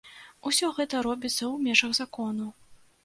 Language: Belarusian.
Усё гэта робіцца ў межах закону.